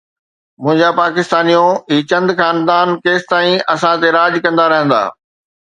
منهنجا پاڪستانيو، هي چند خاندان ڪيستائين اسان تي راڄ ڪندا رهندا؟